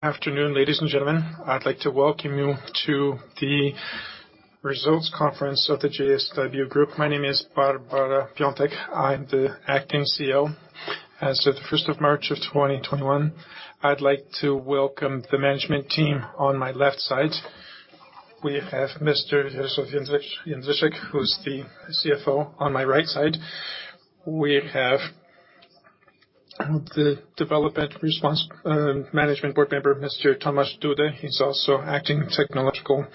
Afternoon, ladies and gentlemen. I'd like to welcome you to the results conference of the JSW Group. My name is Barbara Piontek. I'm the Acting CEO as of 1st of March of 2021. I'd like to welcome the management team. On my left side, we have Mr. Jarosław Jędrysek, who's the CFO. On my right side, we have the development response Management Board member, Mr. Tomasz Duda. He's also Acting Technological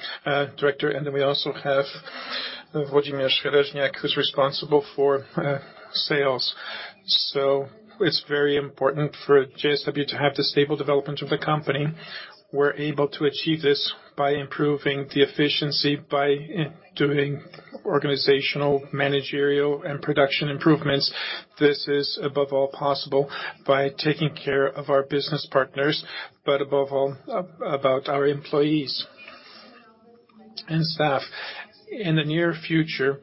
Director. We also have Włodzimierz Hereźniak, who's responsible for Sales. It's very important for JSW to have the stable development of the company. We're able to achieve this by improving the efficiency, by doing organizational, managerial and production improvements. This is above all possible by taking care of our business partners, but above all, about our employees and staff. In the near future,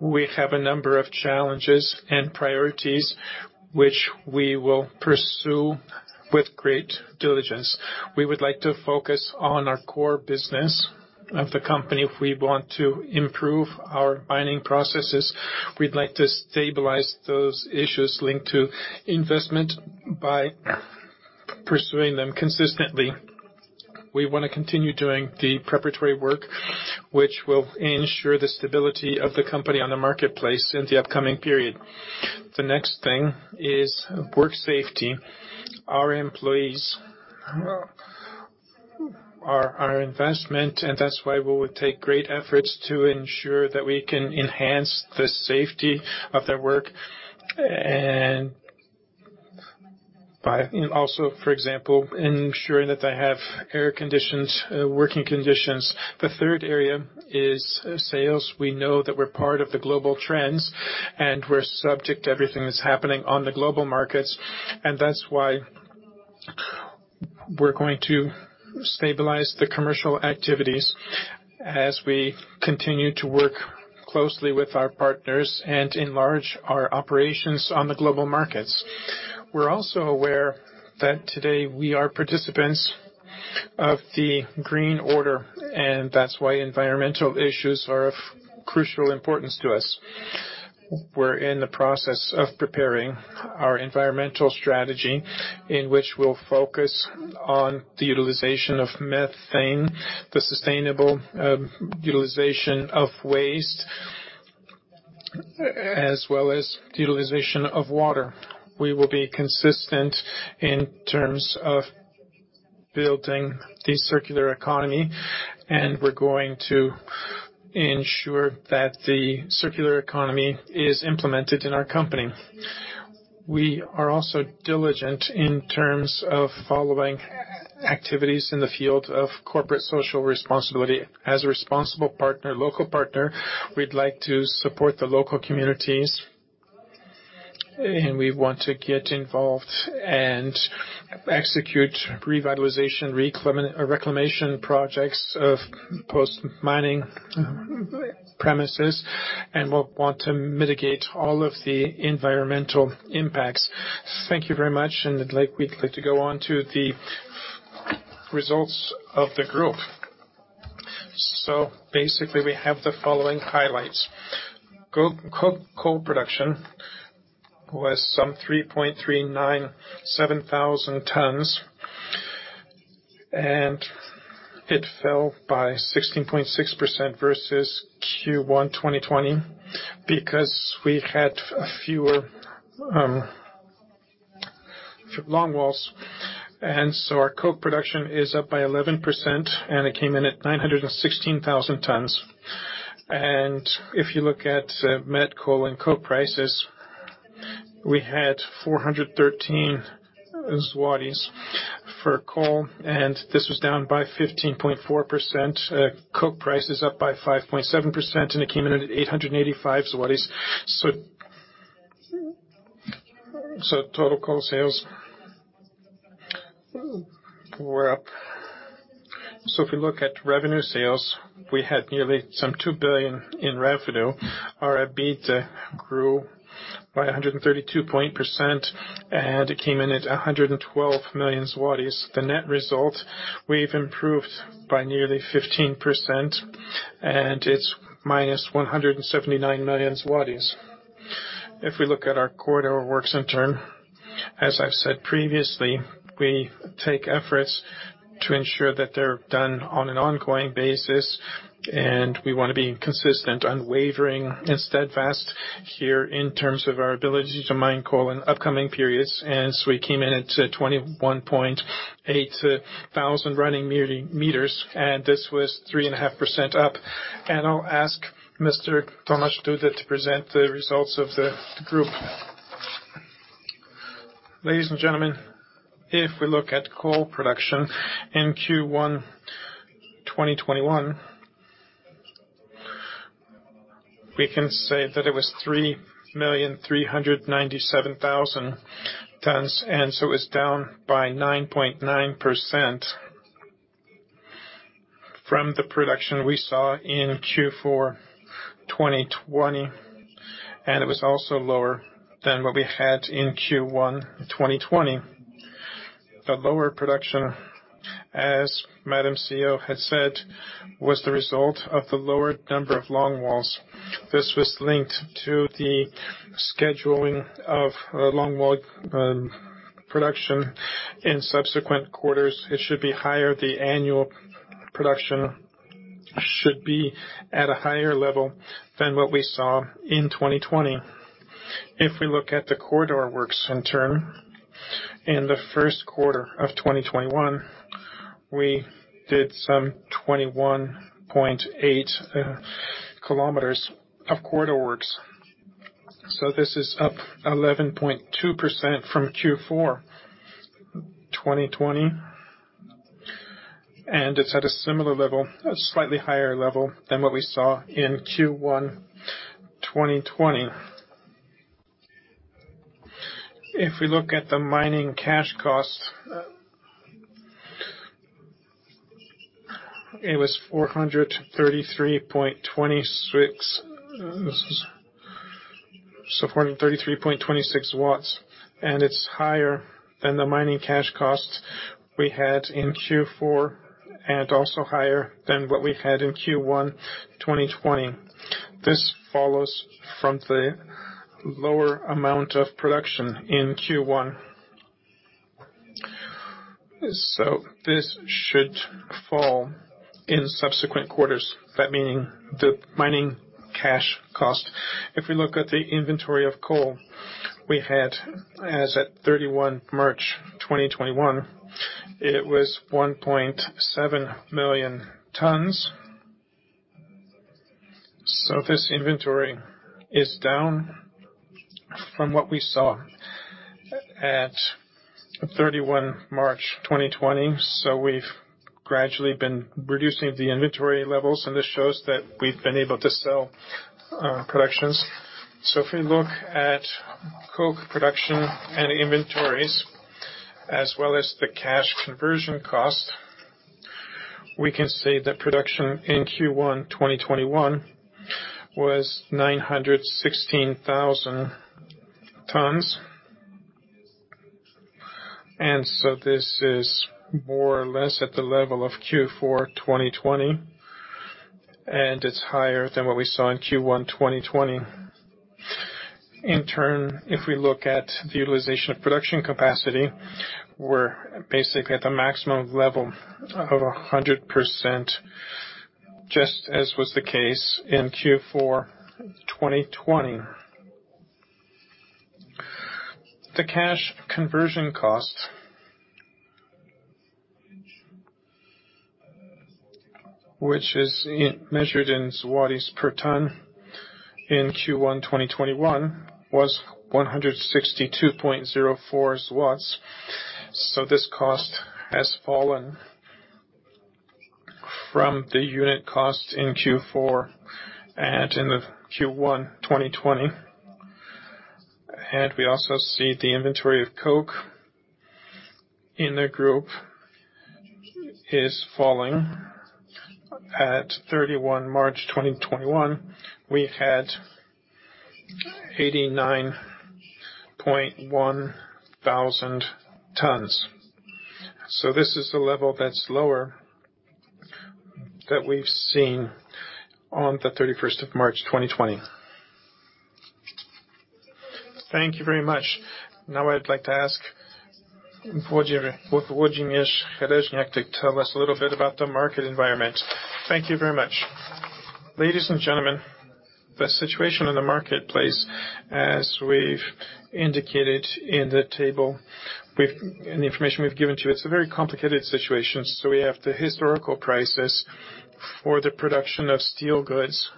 we have a number of challenges and priorities which we will pursue with great diligence. We would like to focus on our core business of the company. We want to improve our mining processes. We'd like to stabilize those issues linked to investment by pursuing them consistently. We want to continue doing the preparatory work, which will ensure the stability of the company on the marketplace in the upcoming period. The next thing is work safety. Our employees are our investment, and that's why we will take great efforts to ensure that we can enhance the safety of their work and also, for example, ensuring that they have working conditions. The third area is sales. We know that we're part of the global trends and we're subject to everything that's happening on the global markets, and that's why we're going to stabilize the commercial activities as we continue to work closely with our partners and enlarge our operations on the global markets. We're also aware that today we are participants of the green order, and that's why environmental issues are of crucial importance to us. We're in the process of preparing our environmental strategy, in which we'll focus on the utilization of methane, the sustainable utilization of waste, as well as the utilization of water. We will be consistent in terms of building the circular economy, and we're going to ensure that the circular economy is implemented in our company. We are also diligent in terms of following activities in the field of corporate social responsibility. As a responsible local partner, we'd like to support the local communities and we want to get involved and execute revitalization, reclamation projects of post-mining premises and we want to mitigate all of the environmental impacts. Thank you very much. We'd like to go on to the results of the group. We have the following highlights. Coal production was some 3,397,000 tons. It fell by 16.6% versus Q1 2020 because we had fewer longwalls. Our coke production is up by 11%. It came in at 916,000 tons. If you look at met coal and coke prices, we had 413 for coal. This was down by 15.4%. Coke price is up by 5.7%. It came in at 885 zlotys. Total coal sales were up. If we look at revenue sales, we had nearly 2 billion in revenue. Our EBITDA grew by 132.0% and it came in at 112 million zlotys. The net result, we've improved by nearly 15% and it's minus 179 million zlotys. If we look at our quarter-over-quarter, as I've said previously, we take efforts to ensure that they're done on an ongoing basis and we want to be consistent, unwavering and steadfast here in terms of our ability to mine coal in upcoming periods. We came in at 21.8 thousand running meters and this was 3.5% up. I'll ask Mr. Tomasz Duda to present the results of the group. Ladies and gentlemen, if we look at coal production in Q1 2021, we can say that it was 3,397,000 tons. It's down by 9.9%. From the production we saw in Q4 2020, and it was also lower than what we had in Q1 2020. The lower production, as Madam CEO had said, was the result of the lower number of longwalls. This was linked to the scheduling of longwall production in subsequent quarters. It should be higher. The annual production should be at a higher level than what we saw in 2020. If we look at the corridor works in turn, in the first quarter of 2021, we did some 21.8 km of corridor works. This is up 11.2% from Q4 2020, and it's at a similar level, a slightly higher level than what we saw in Q1 2020. If we look at the mining cash costs, it was 433.26. It's higher than the mining cash costs we had in Q4 and also higher than what we had in Q1 2020. This follows from the lower amount of production in Q1. This should fall in subsequent quarters, that meaning the mining cash cost. If we look at the inventory of coal we had, as at March 31 2021, it was 1.7 million tons. This inventory is down from what we saw at March 31 2020. We've gradually been reducing the inventory levels, and this shows that we've been able to sell productions. If we look at coke production and inventories as well as the cash conversion cost, we can say that production in Q1 2021 was 916,000 tons. This is more or less at the level of Q4 2020, and it's higher than what we saw in Q1 2020. In turn, if we look at the utilization of production capacity, we're basically at the maximum level of 100%, just as was the case in Q4 2020. The cash conversion cost, which is measured in PLN per ton in Q1 2021, was 162.04. This cost has fallen from the unit cost in Q4 and in Q1 2020. We also see the inventory of coke in the group is falling. At March 31 2021, we had 89.1 thousand tons. This is a level that's lower that we've seen on the 31st of March 2020. Thank you very much. Now I'd like to ask Włodzimierz Hereźniak to tell us a little bit about the market environment. Thank you very much. Ladies and gentlemen, the situation in the marketplace, as we've indicated in the table with the information we've given to you, it's a very complicated situation. We have the historical prices for the production of steel goods,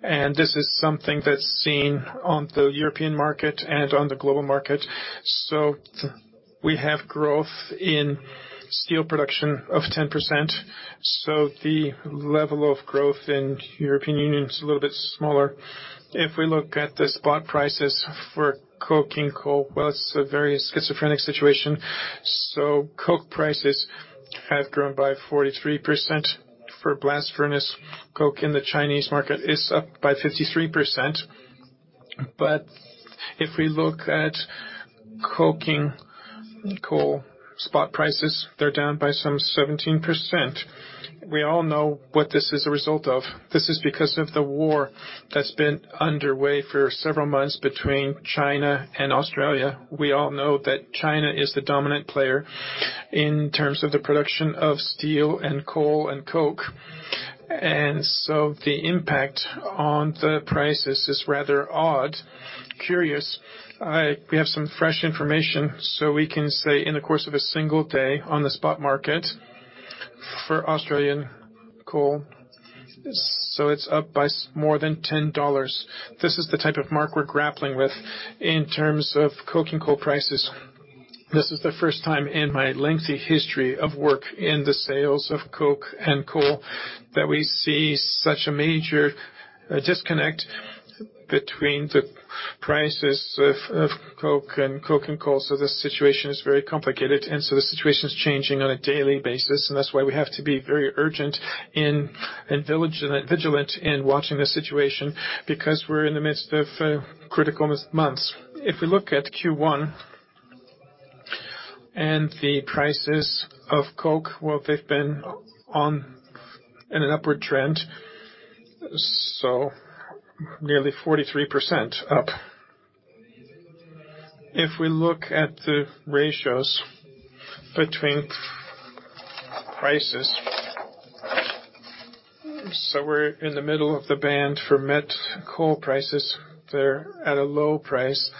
and this is something that's seen on the European market and on the global market. We have growth in steel production of 10%. The level of growth in European Union is a little bit smaller. If we look at the spot prices for coking coal, well, it's a very schizophrenic situation. Coke prices have grown by 43%. For blast furnace coke in the Chinese market is up by 53%. If we look at coking coal spot prices, they're down by some 17%. We all know what this is a result of. This is because of the war that's been underway for several months between China and Australia. We all know that China is the dominant player in terms of the production of steel and coal and coke. The impact on the prices is rather odd. Curious. We have some fresh information, we can say in the course of a single day on the spot market for Australian coal, it's up by more than $10. This is the type of mark we're grappling with in terms of coking coal prices. This is the first time in my lengthy history of work in the sales of coke and coal. That we see such a major disconnect between the prices of coke and coking coal. The situation is very complicated, the situation is changing on a daily basis, that's why we have to be very urgent and vigilant in watching the situation, because we're in the midst of critical months. If we look at Q1 and the prices of coke, well, they've been on an upward trend, nearly 43% up. If we look at the ratios between prices, we're in the middle of the band for coking coal prices. They're at a low price.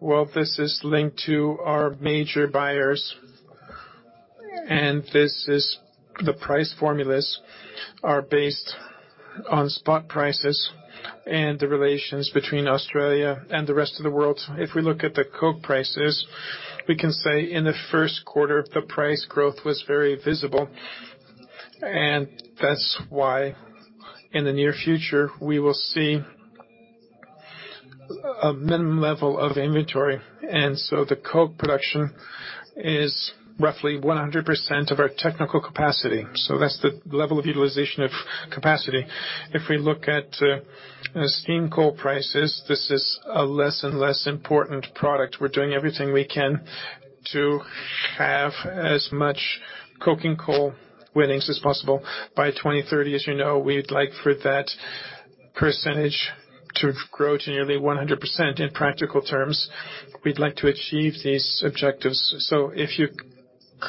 Well, this is linked to our major buyers, this is the price formulas are based on spot prices and the relations between Australia and the rest of the world. If we look at the coke prices, we can say in the first quarter, the price growth was very visible, that's why in the near future we will see a minimum level of inventory. The coke production is roughly 100% of our technical capacity. That's the level of utilization of capacity. If we look at steam coal prices, this is a less and less important product. We're doing everything we can to have as much coking coal mining as possible. By 2030, as you know, we'd like for that percentage to grow to nearly 100% in practical terms. We'd like to achieve these objectives. If you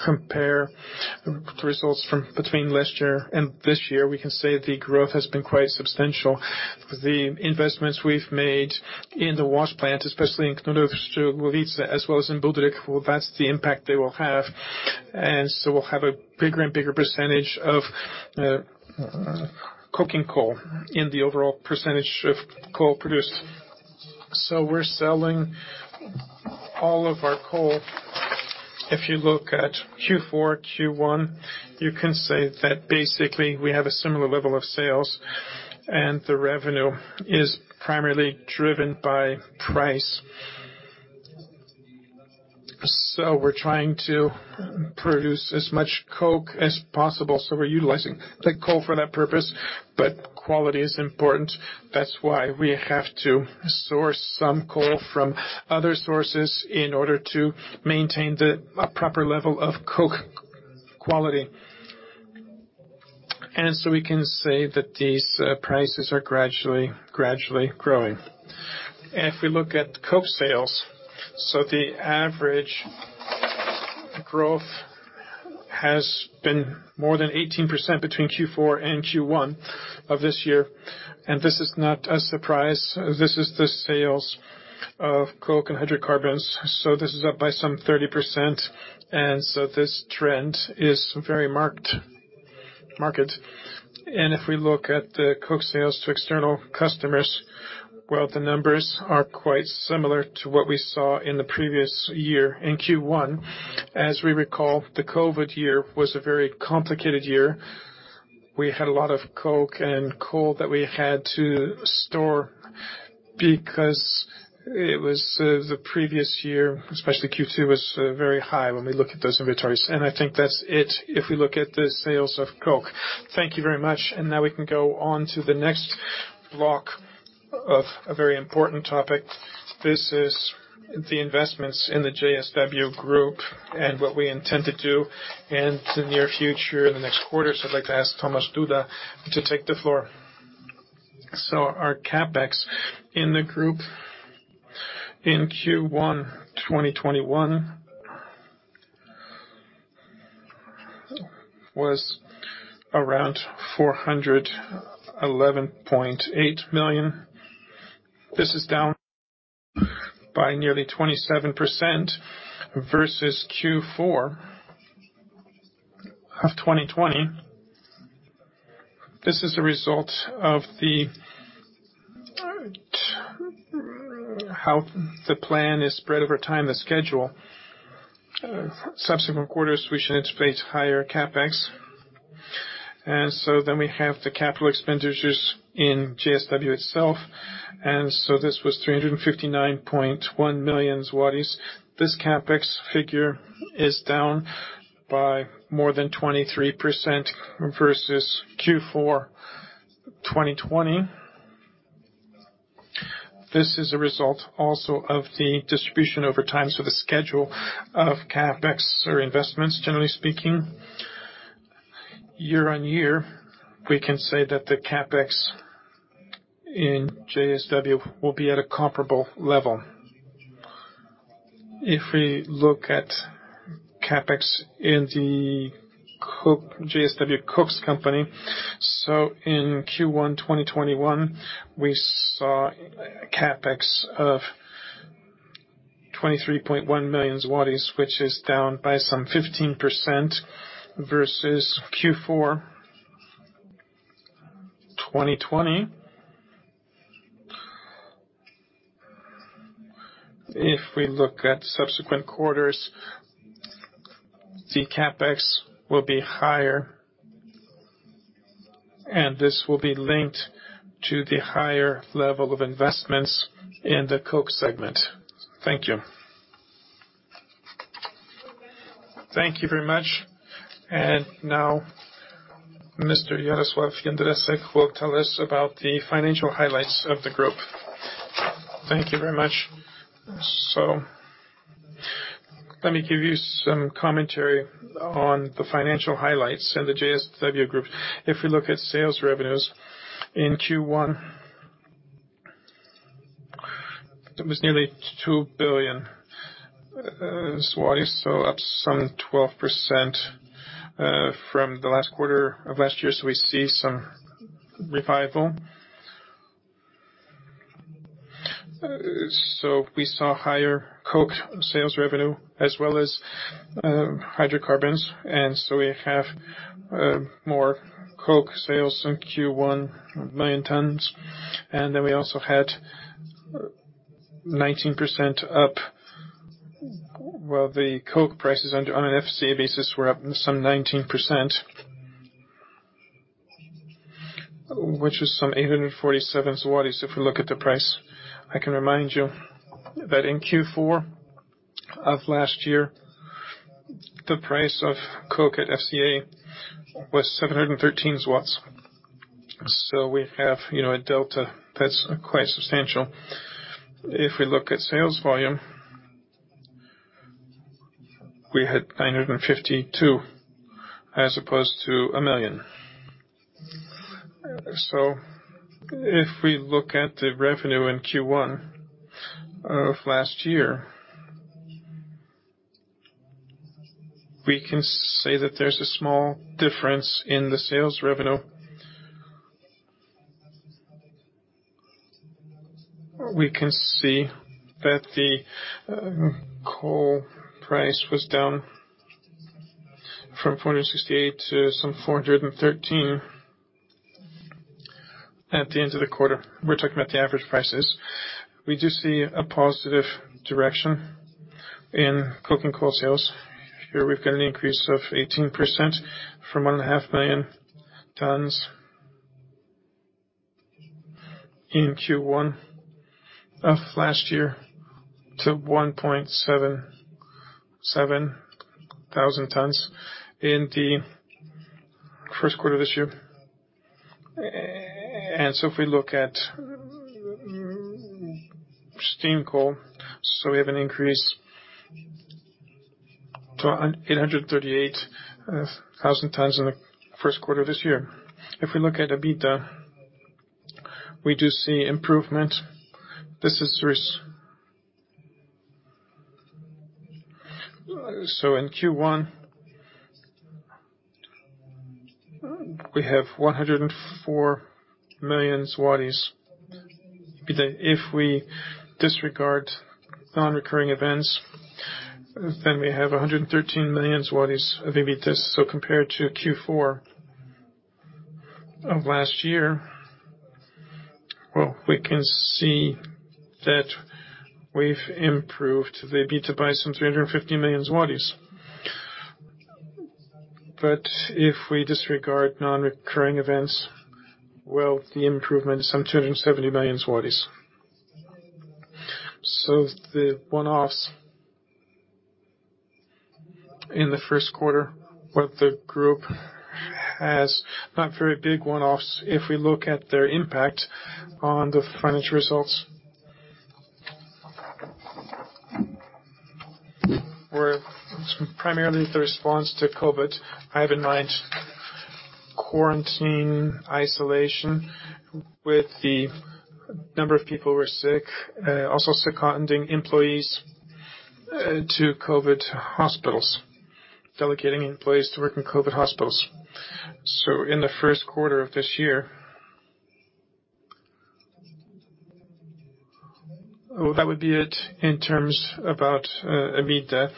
compare results from between last year and this year, we can say the growth has been quite substantial. The investments we've made in the wash plant, especially in Knurów, Szczygłowice as well as in Budryk, well, that's the impact they will have. We'll have a bigger and bigger percentage of coking coal in the overall percentage of coal produced. We're selling all of our coal. If you look at Q4, Q1, you can say that basically we have a similar level of sales and the revenue is primarily driven by price. We're trying to produce as much coke as possible. We're utilizing the coal for that purpose, but quality is important. That's why we have to source some coal from other sources in order to maintain the proper level of coke quality. We can say that these prices are gradually growing. If we look at coke sales, the average growth has been more than 18% between Q4 and Q1 of this year. This is not a surprise. This is the sales of coke and hydrocarbons. This is up by some 30%. This trend is very marked. If we look at the coke sales to external customers, well, the numbers are quite similar to what we saw in the previous year in Q1. As we recall, the COVID year was a very complicated year. We had a lot of coke and coal that we had to store because it was the previous year, especially Q2, was very high when we look at those inventories. I think that's it if we look at the sales of coke. Thank you very much. Now we can go on to the next block of a very important topic. This is the investments in the JSW Group and what we intend to do in the near future, in the next quarter. I'd like to ask Tomasz Duda to take the floor. Our CapEx in the group in Q1 2021 was around 411.8 million. This is down by nearly 27% versus Q4 of 2020. This is a result of how the plan is spread over time, the schedule. Subsequent quarters, we should expect higher CapEx. We have the capital expenditures in JSW itself. This was 359.1 million zlotys. This CapEx figure is down by more than 23% versus Q4 2020. This is a result also of the distribution over time, the schedule of CapEx or investments, generally speaking. Year-on-year, we can say that the CapEx in JSW will be at a comparable level. If we look at CapEx in JSW KOKS S.A., so in Q1 2021, we saw a CapEx of 23.1 million zlotys, which is down by some 15% versus Q4 2020. If we look at subsequent quarters, the CapEx will be higher, and this will be linked to the higher level of investments in the coke segment. Thank you. Thank you very much. Now Mr. Jarosław Jędrysek will tell us about the financial highlights of the group. Thank you very much. Let me give you some commentary on the financial highlights in the JSW Group. If we look at sales revenues in Q1, it was nearly 2 billion zlotys. Up some 12% from the last quarter of last year. We see some revival. We saw higher coke sales revenue as well as hydrocarbons. We have more coke sales in Q1, uncertain. We also had 19% up, the coke prices on an FCA basis were up some 19%, which is some 847 zlotys/t if you look at the price. I can remind you that in Q4 of last year, the price of coke at FCA was 713/t. We have a delta that's quite substantial. If we look at sales volume, we had 952 kt as opposed to 1 million. If we look at the revenue in Q1 of last year, we can say that there's a small difference in the sales revenue. We can see that the coal price was down from 468/t to some 413/t at the end of the quarter. We're talking about the average prices. We do see a positive direction in coke and coal sales. Here we've got an increase of 18% from 1.5 million tons in Q1 of last year to 1.7 thousand tons in the first quarter of this year. If we look at steam coal, we have an increase to 838,000 tons in the first quarter of this year. If we look at EBITDA, we do see improvement. This is risk. In Q1, we have 104 million. If we disregard non-recurring events, then we have 113 million zlotys EBITDA. Compared to Q4 of last year, well, we can see that we've improved the EBITDA by some PLN 350 million. If we disregard non-recurring events, well, the improvement is some 270 million. The one-offs in the first quarter, what the group has, not very big one-offs. If we look at their impact on the financial results, were primarily the response to COVID. I have in mind quarantine isolation with the number of people who were sick. Also seconding employees to COVID hospitals, delegating employees to work in COVID hospitals. In the first quarter of this year. Well, that would be it in terms about EBITDA.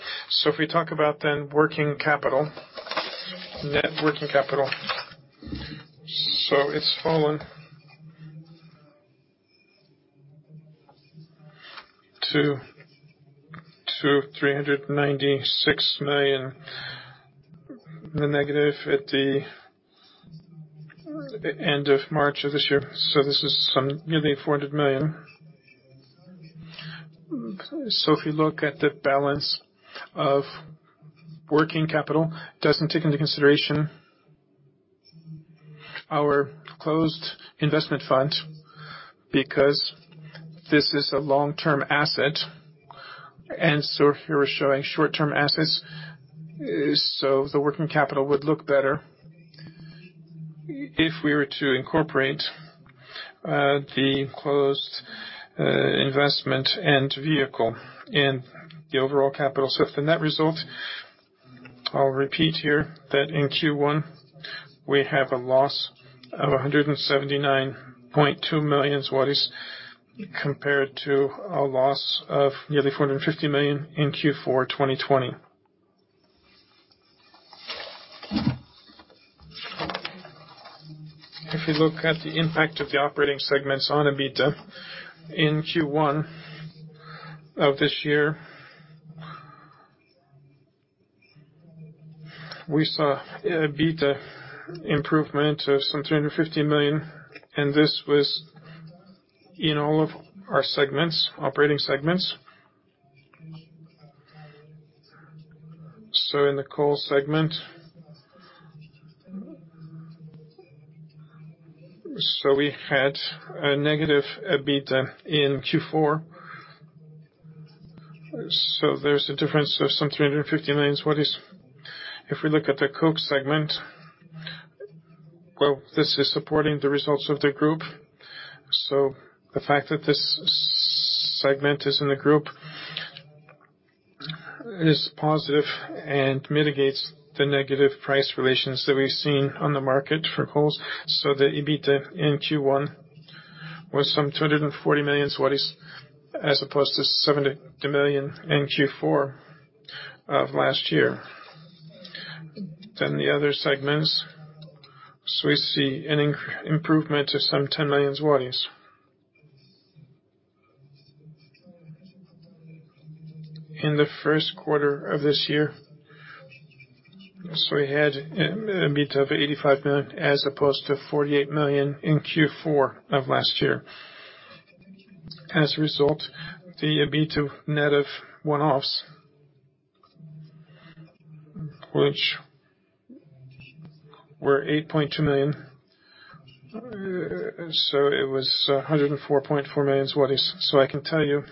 If we talk about working capital, net working capital. It's fallen to 396 million negative at the end of March of this year. This is some nearly 400 million. If you look at the balance of working capital, doesn't take into consideration our closed investment fund, because this is a long-term asset. Here we're showing short-term assets. The working capital would look better if we were to incorporate the closed investment fund vehicle in the overall capital. For net results, I'll repeat here that in Q1, we have a loss of 179.2 million zlotys compared to a loss of nearly 450 million in Q4 2020. If you look at the impact of the operating segments on EBITDA in Q1 of this year, we saw EBITDA improvement of some 250 million, and this was in all of our operating segments. In the coal segment, we had a negative EBITDA in Q4. There's a difference of some 250 million. If we look at the coke segment, well, this is supporting the results of the group. The fact that this segment is in the group is positive and mitigates the negative price relations that we've seen on the market for coals. The EBITDA in Q1 was some 240 million as opposed to 70 million in Q4 of last year. The other segments. We see an improvement to some 10 million zlotys. In the first quarter of this year, we had an EBITDA of 85 million as opposed to 48 million in Q4 of last year. As a result, the EBITDA net of one-offs, which were 8.2 million, so it was 104.4 million. I can tell you,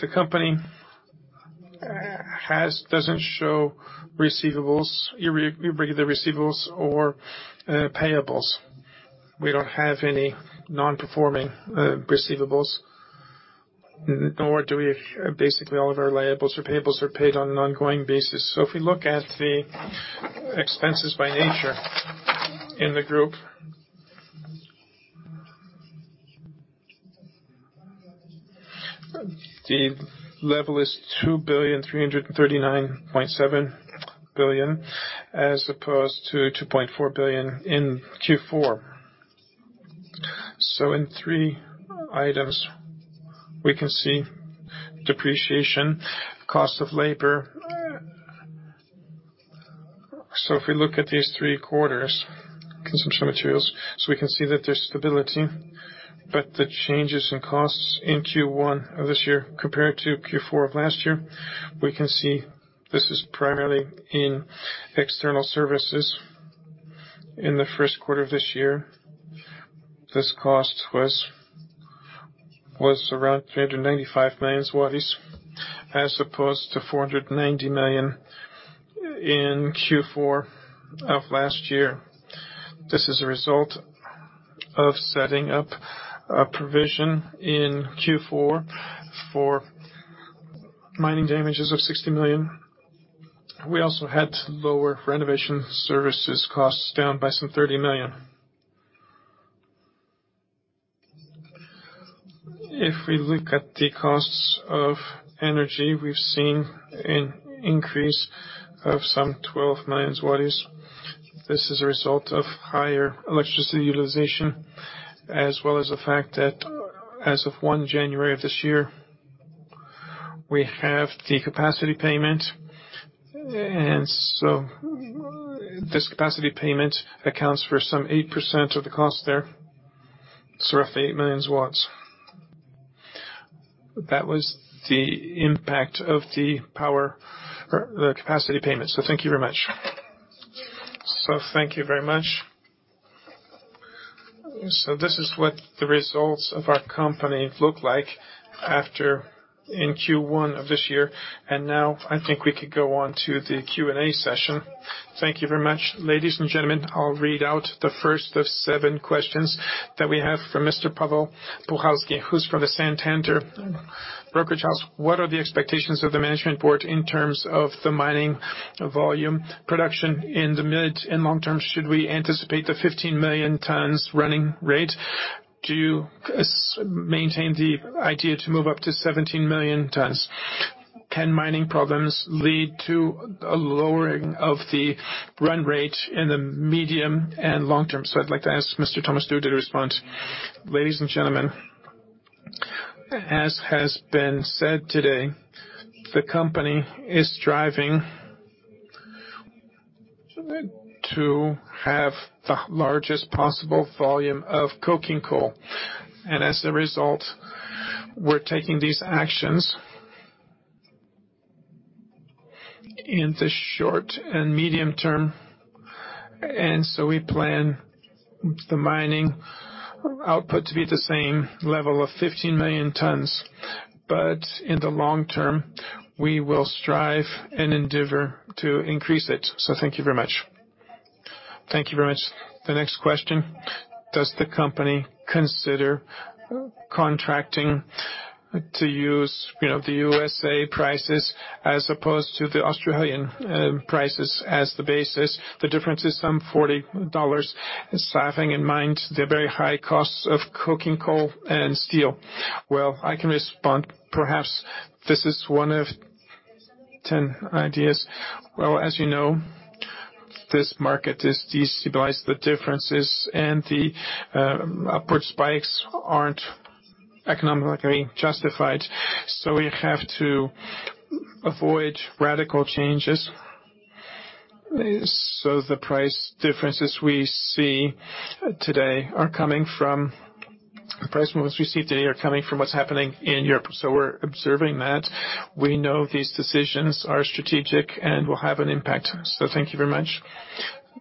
the company doesn't show regular receivables or payables. We don't have any non-performing receivables. Basically, all of our liabilities or payables are paid on an ongoing basis. If you look at the expenses by nature in the group, the level is 2.3397 billion as opposed to 2.4 billion in Q4. In three items, we can see depreciation, cost of labor. If we look at these three quarters, consumption materials, so we can see that there's stability, but the changes in costs in Q1 of this year compared to Q4 of last year, we can see this is primarily in external services in the first quarter of this year. This cost was around 395 million zlotys as opposed to 490 million in Q4 of last year. This is a result of setting up a provision in Q4 for mining damages of 60 million. We also had to lower renovation services costs down by some 30 million. If we look at the costs of energy, we've seen an increase of some 12 million zlotys. This is a result of higher electricity utilization, as well as the fact that as of January 1 of this year, we have the capacity payment. This capacity payment accounts for some 8% of the cost there, roughly 8 million. That was the impact of the capacity payment. Thank you very much. Thank you very much. This is what the results of our company look like in Q1 of this year, and now I think we could go on to the Q&A session. Thank you very much. Ladies and gentlemen, I'll read out the first of seven questions that we have for Mr. Paweł Puchalski, who's from the Santander Brokerage House. What are the expectations of the Management Board in terms of the mining volume production in the mid and long term? Should we anticipate the 15 million tons running rate? Do you maintain the idea to move up to 17 million tons? Can mining problems lead to a lowering of the run rate in the medium and long term? I'd like to ask Mr. Tomasz Duda to respond. Ladies and gentlemen, as has been said today, the company is striving to have the largest possible volume of coking coal. As a result, we're taking these actions in the short and medium term, we plan the mining output to be the same level of 15 million tons. In the long term, we will strive and endeavor to increase it. Thank you very much. Thank you very much. The next question, does the company consider contracting to use the USA prices as opposed to the Australian prices as the basis? The difference is some PLN 40. Having in mind the very high costs of coking coal and steel. I can respond. Perhaps this is one of 10 ideas. As you know, this market is destabilized. The differences and the upward spikes aren't economically justified, we have to avoid radical changes. The price movements we see today are coming from what's happening in Europe. We're observing that. We know these decisions are strategic and will have an impact. Thank you very much.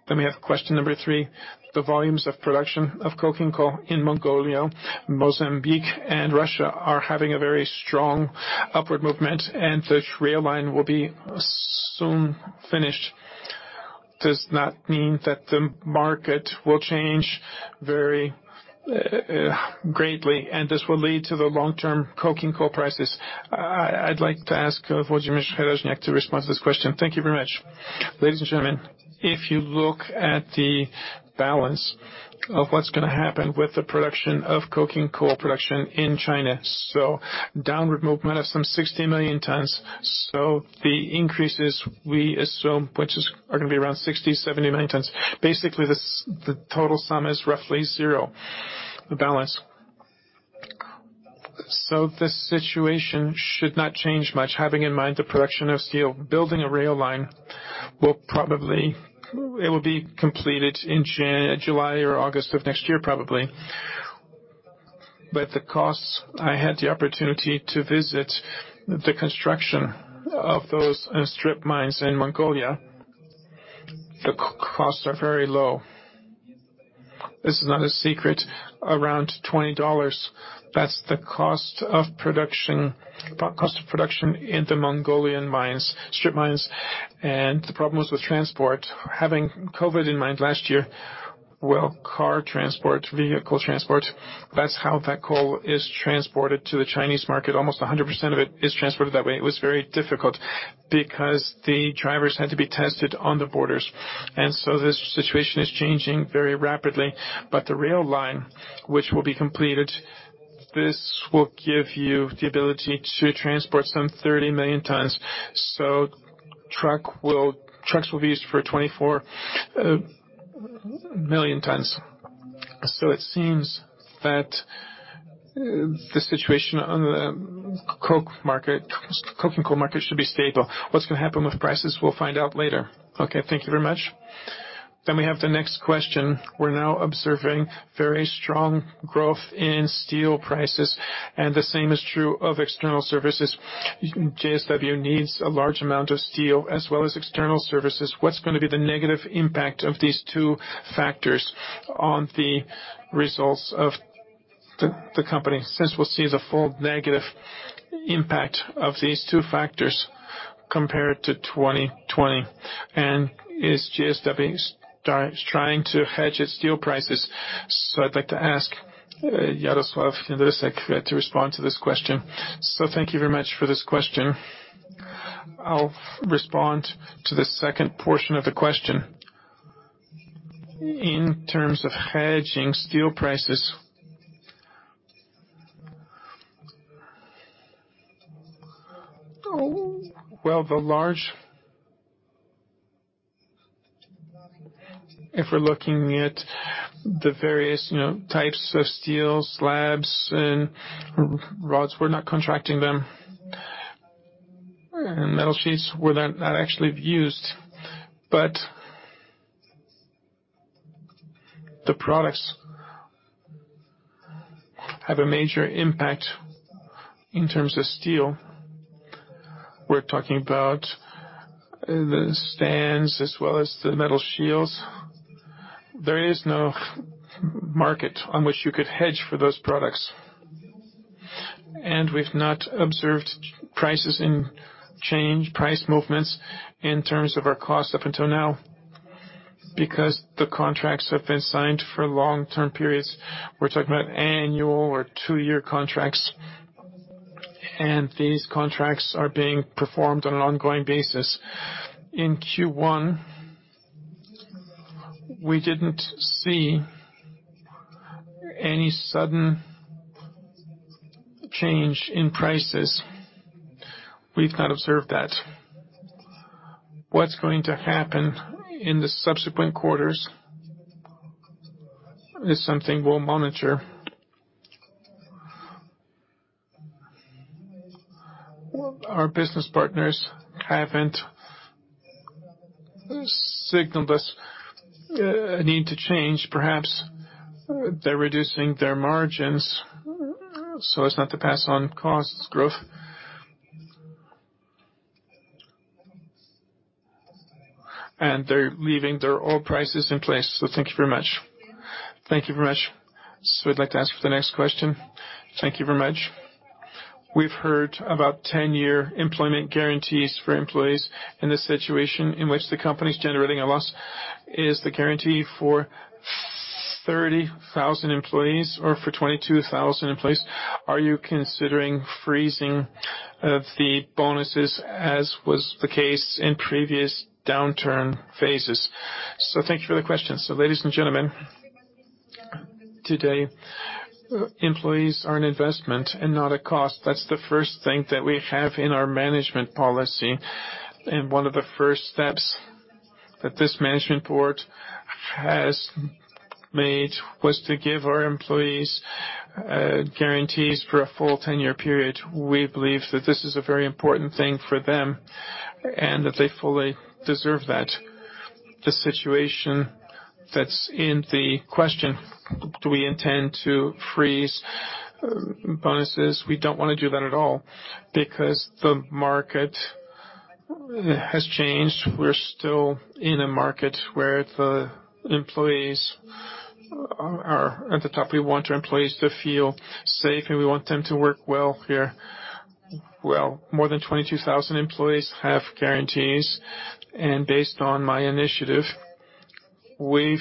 We have question number three. The volumes of production of coking coal in Mongolia, Mozambique, and Russia are having a very strong upward movement, and the rail line will be soon finished. Does that mean that the market will change very greatly, and this will lead to the long-term coking coal prices? I'd like to ask Wojciech Chojnacki to respond to this question. Thank you very much. Ladies and gentlemen, if you look at the balance of what's going to happen with the production of coking coal production in China. Downward movement of some 60 million tons. The increases we assume, which are going to be around 60, 70 million tons. Basically, the total sum is roughly zero, the balance. This situation should not change much, having in mind the production of steel. Building a rail line, it will be completed in July or August of next year probably. The costs, I had the opportunity to visit the construction of those strip mines in Mongolia. The costs are very low. This is not a secret, around $20. That's the cost of production in the Mongolian strip mines, and the problems with transport. Having COVID in mind last year, well, car transport, vehicle transport, that's how that coal is transported to the Chinese market. Almost 100% of it is transported that way. It was very difficult because the drivers had to be tested on the borders. This situation is changing very rapidly. The rail line, which will be completed, this will give you the ability to transport some 30 million tons. Trucks will be used for 24 million tons. It seems that the coking coal market should be stable. What's going to happen with prices? We'll find out later. Okay, thank you very much. We have the next question. We're now observing very strong growth in steel prices. The same is true of external services. JSW needs a large amount of steel as well as external services. What's going to be the negative impact of these two factors on the results of the company? Since we'll see the full negative impact of these two factors compared to 2020. Is JSW trying to hedge its steel prices? I'd like to ask Jarosław Jędrysek to respond to this question. Thank you very much for this question. I'll respond to the second portion of the question. In terms of hedging steel prices. If we're looking at the various types of steel slabs and rods, we're not contracting them. Metal sheets were not actually used. The products have a major impact in terms of steel. We're talking about the stands as well as the metal shields. There is no market on which you could hedge for those products, and we've not observed prices and change price movements in terms of our costs up until now, because the contracts have been signed for long-term periods. We're talking about annual or two-year contracts, and these contracts are being performed on an ongoing basis. In Q1, we didn't see any sudden change in prices. We've not observed that. What's going to happen in the subsequent quarters is something we'll monitor. Our business partners haven't signaled us a need to change. Perhaps they're reducing their margins so as not to pass on costs growth. They're leaving their oil prices in place. Thank you very much. Thank you very much. I'd like to ask for the next question. Thank you very much. We've heard about 10-year employment guarantees for employees in a situation in which the company is generating a loss. Is the guarantee for 30,000 employees or for 22,000 employees? Are you considering freezing of the bonuses as was the case in previous downturn phases? Thank you for the question. Ladies and gentlemen. Today, employees are an investment and not a cost. That's the first thing that we have in our management policy. One of the first steps that this management board has made was to give our employees guarantees for a full 10-year period. We believe that this is a very important thing for them and that they fully deserve that. The situation that's in the question, do we intend to freeze bonuses? We don't want to do that at all because the market has changed. We're still in a market where the employees are at the top. We want our employees to feel safe, and we want them to work well here. Well, more than 22,000 employees have guarantees. Based on my initiative, we've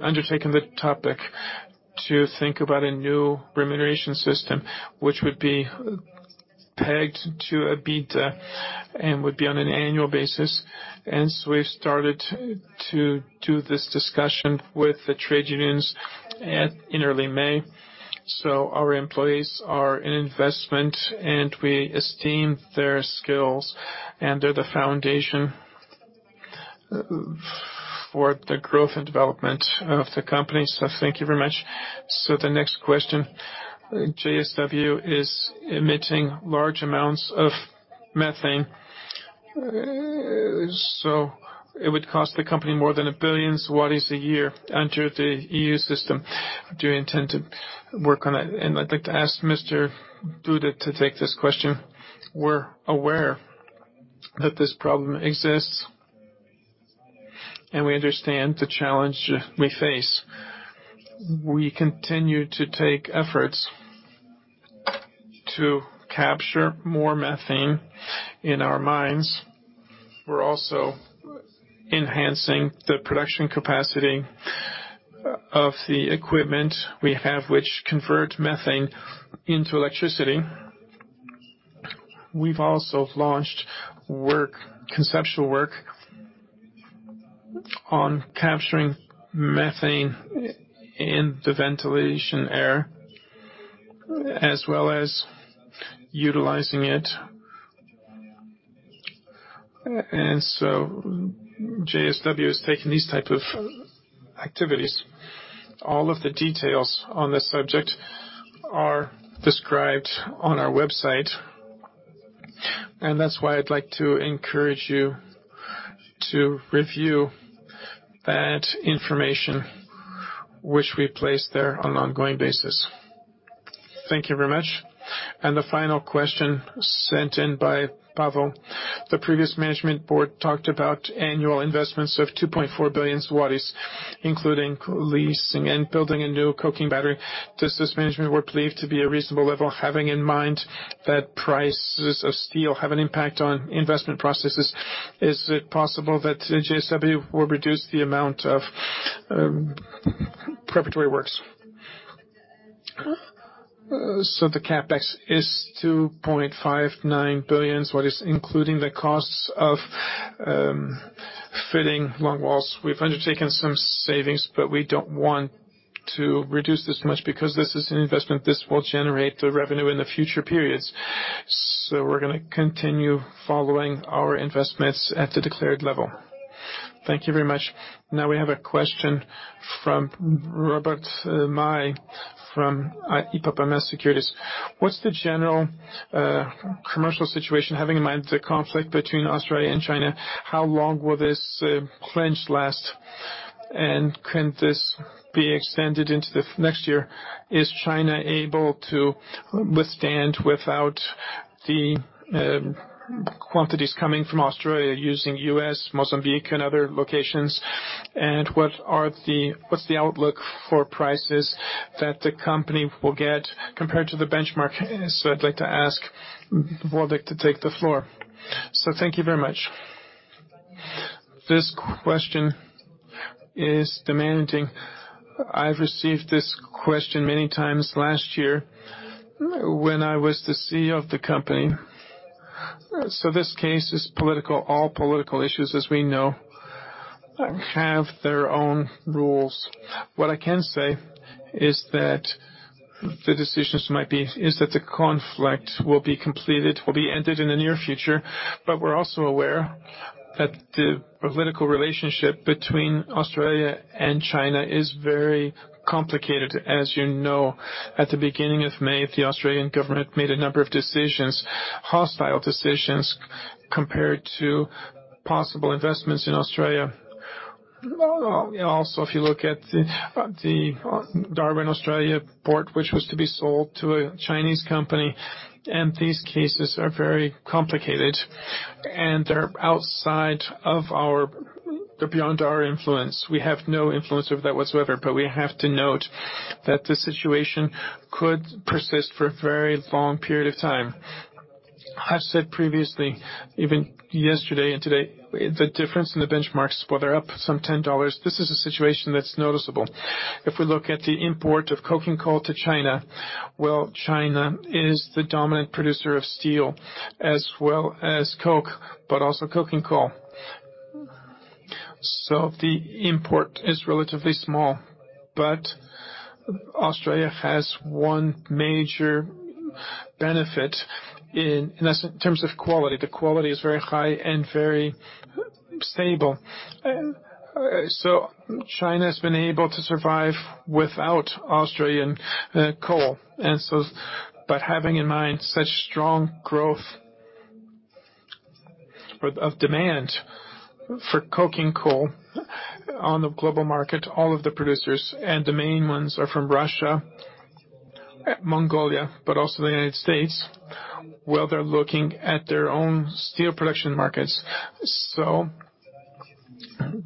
undertaken the topic to think about a new remuneration system, which would be pegged to EBITDA and would be on an annual basis. We started to do this discussion with the trade unions in early May. Our employees are an investment, and we esteem their skills, and they're the foundation for the growth and development of the company. Thank you very much. The next question, JSW is emitting large amounts of methane, so it would cost the company more than 1 billion zlotys a year to enter the EU system. Do you intend to work on it? I'd like to ask Mr. Duda to take this question. We're aware that this problem exists, and we understand the challenge we face. We continue to take efforts to capture more methane in our mines. We're also enhancing the production capacity of the equipment we have, which convert methane into electricity. We've also launched conceptual work on capturing methane in the ventilation air, as well as utilizing it. JSW is taking these types of activities. All of the details on this subject are described on our website, and that's why I'd like to encourage you to review that information, which we place there on an ongoing basis. Thank you very much. The final question sent in by Pawel. The previous management board talked about annual investments of 2.4 billion zlotys, including leasing and building a new coking battery. Does this management board believe to be a reasonable level, having in mind that prices of steel have an impact on investment processes? Is it possible that JSW will reduce the amount of preparatory works? The CapEx is 2.59 billion, including the costs of filling longwalls. We've undertaken some savings, but we don't want to reduce this much because this is investment. This will generate the revenue in the future periods. We're going to continue following our investments at the declared level. Thank you very much. Now we have a question from Robert Maj from IPOPEMA Securities. What's the general commercial situation, having in mind the conflict between Australia and China? How long will this clinch last? Can this be extended into next year? Is China able to withstand without the quantities coming from Australia using U.S., Mozambique, and other locations? What's the outlook for prices that the company will get compared to the benchmark? I'd like to ask Wojciech to take the floor. Thank you very much. This question is demanding. I received this question many times last year when I was the CEO of the company. This case is political. All political issues, as we know, have their own rules. What I can say is that the conflict will be completed, will be ended in the near future. We're also aware that the political relationship between Australia and China is very complicated. As you know, at the beginning of May, the Australian government made a number of decisions, hostile decisions compared to possible investments in Australia. Also, if you look at the Darwin, Australia port, which was to be sold to a Chinese company, these cases are very complicated and are beyond our influence. We have no influence over that whatsoever, but we have to note that the situation could persist for a very long period of time. I've said previously, even yesterday and today, the difference in the benchmarks, whether up some $10, this is a situation that's noticeable. If we look at the import of coking coal to China, well, China is the dominant producer of steel as well as coke, but also coking coal. The import is relatively small. Australia has one major benefit in terms of quality. The quality is very high and very stable. China has been able to survive without Australian coal. By having in mind such strong growth of demand for coking coal on the global market, all of the producers and the main ones are from Russia, Mongolia, also the United States, where they're looking at their own steel production markets.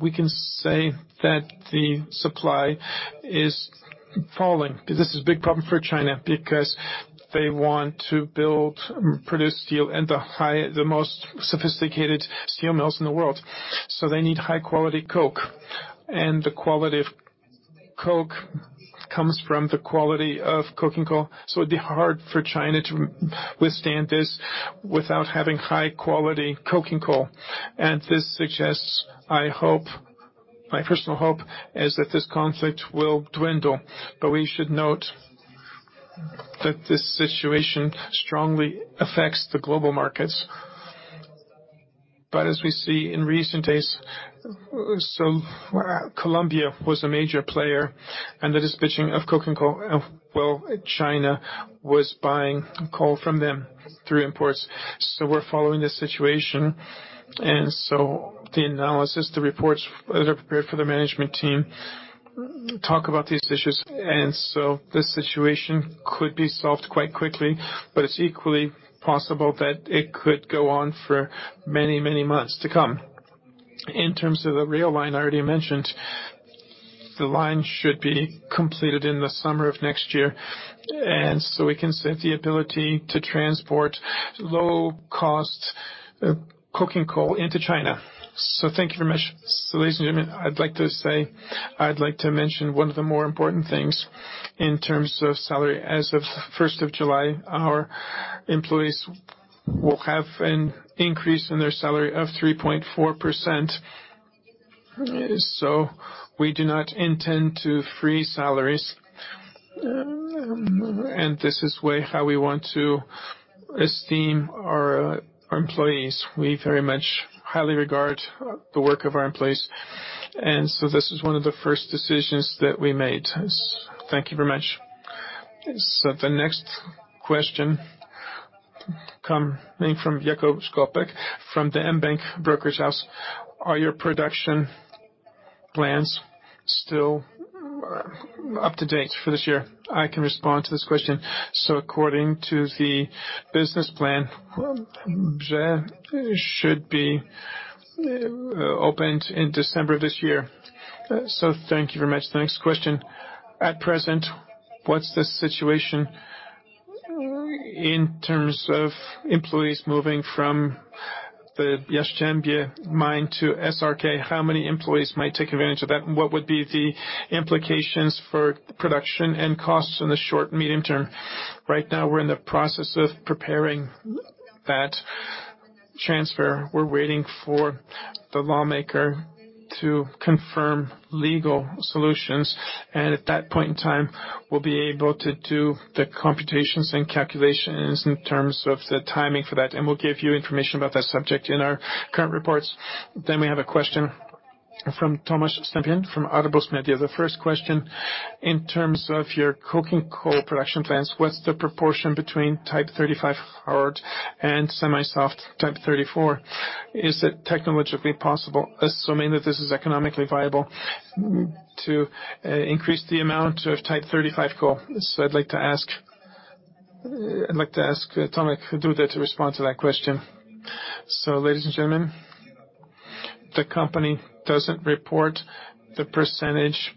We can say that the supply is falling. This is a big problem for China because they want to build and produce steel and the most sophisticated steel mills in the world. They need high-quality coke, and the quality of coke comes from the quality of coking coal. It would be hard for China to withstand this without having high-quality coking coal. This suggests, my personal hope, is that this conflict will dwindle, but we should note that this situation strongly affects the global markets. As we see in recent days, Colombia was a major player in the dispatching of coking coal. Well, China was buying coal from them through imports. We're following the situation. The analysis, the reports that are prepared for the management team talk about these issues. The situation could be solved quite quickly, but it's equally possible that it could go on for many months to come. In terms of the rail line I already mentioned, the line should be completed in the summer of next year, and so we can set the ability to transport low-cost coking coal into China. Thank you very much. Ladies and gentlemen, I'd like to mention one of the more important things in terms of salary. As of the 1st of July, our employees will have an increase in their salary of 3.4%. We do not intend to freeze salaries, and this is how we want to esteem our employees. We very much highly regard the work of our employees, and so this is one of the first decisions that we made. Thank you very much. The next question coming from Jakub Szkopek from the mBank Brokerage House. Are your production plans still up to date for this year? I can respond to this question. According to the business plan, it should be opened in December of this year. Thank you very much. Next question. At present, what's the situation in terms of employees moving from the Jastrzębie mine to SRK? How many employees might take advantage of that, and what would be the implications for production and costs in the short and medium term? Right now, we're in the process of preparing that transfer. We're waiting for the lawmaker to confirm legal solutions, and at that point in time, we'll be able to do the computations and calculations in terms of the timing for that, and we'll give you information about that subject in our current reports. We have a question from Tomasz Stępień from Argus Media. The first question, in terms of your coking coal production plans, what's the proportion between type 35 hard and semi-soft type 34? Is it technologically possible, assuming that this is economically viable, to increase the amount of type 35 coal? I'd like to ask Tomasz Duda to respond to that question. Ladies and gentlemen, the company doesn't report the percentage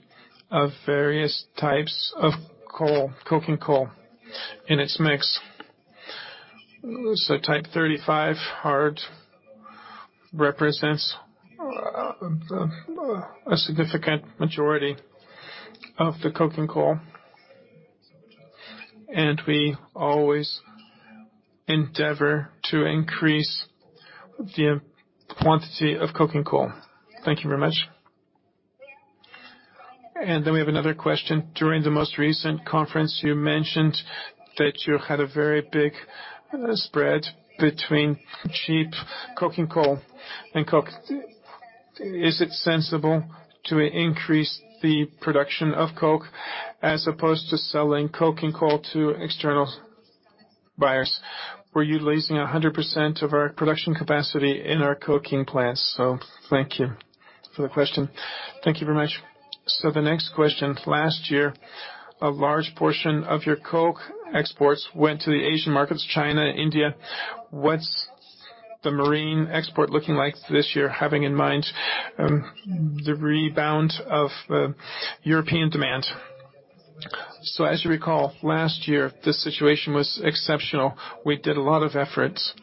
of various types of coking coal in its mix. Type 35 hard represents a significant majority of the coking coal, and we always endeavor to increase the quantity of coking coal. Thank you very much. We have another question. During the most recent conference, you mentioned that you had a very big spread between cheap coking coal and coke. Is it sensible to increase the production of coke as opposed to selling coking coal to external buyers? Were you utilizing 100% of our production capacity in our coking plants? Thank you for the question. Thank you very much. The next question. Last year, a large portion of your coke exports went to the Asian markets, China, India. What's the marine export looking like this year, having in mind the rebound of European demand? As you recall, last year, the situation was exceptional. We did a lot of efforts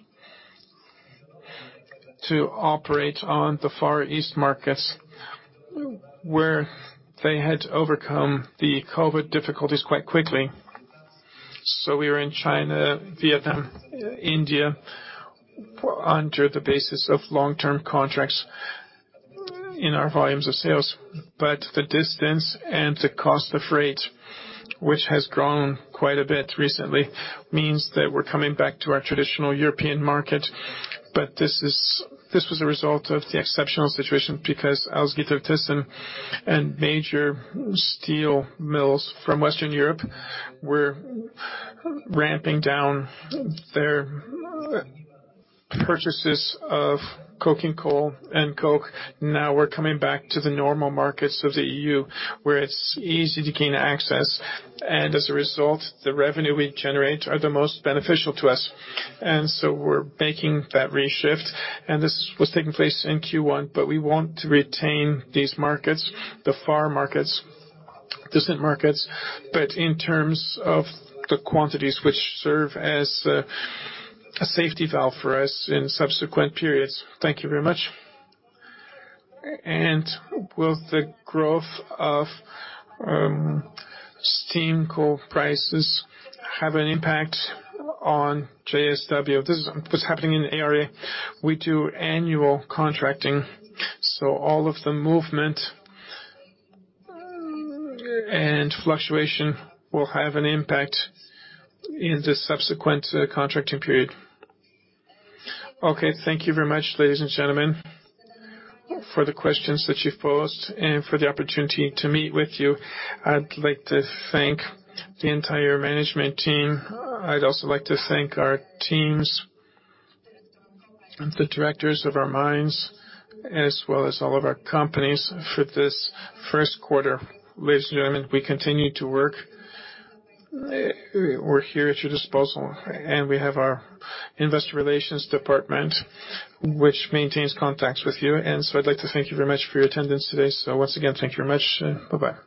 to operate on the Far East markets, where they had to overcome the COVID difficulties quite quickly. We are in China, Vietnam, India under the basis of long-term contracts in our volumes of sales. The distance and the cost of freight, which has grown quite a bit recently, means that we're coming back to our traditional European market. This was a result of the exceptional situation because uncertain and major steel mills from Western Europe were ramping down their purchases of coking coal and coke. Now we're coming back to the normal markets of the EU, where it's easy to gain access, and as a result, the revenue we generate are the most beneficial to us. We're making that reshift, and this was taking place in Q1, but we want to retain these markets, the far markets, distant markets, but in terms of the quantities which serve as a safety valve for us in subsequent periods. Thank you very much. Will the growth of steam coal prices have an impact on JSW? This is what's happening in the area. We do annual contracting, so all of the movement and fluctuation will have an impact in the subsequent contracting period. Okay, thank you very much, ladies and gentlemen, for the questions that you've posed and for the opportunity to meet with you. I'd like to thank the entire management team. I'd also like to thank our teams, the directors of our mines, as well as all of our companies for this first quarter. Ladies and gentlemen, we continue to work. We're here at your disposal, and we have our investor relations department, which maintains contact with you. I'd like to thank you very much for your attendance today. Once again, thank you very much, and bye-bye.